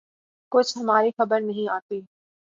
کچھ ہماری خبر نہیں آتی